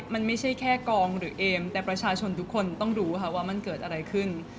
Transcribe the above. มันไม่ใช่แค่กองหรือเอมแต่ประชาชนทุกคนต้องดูค่ะว่ามันเกิดอะไรขึ้น